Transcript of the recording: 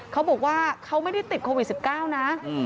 เขาบอกว่าเขาไม่ได้ติดโควิด๑๙นะ